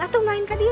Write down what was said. aduh main kardionya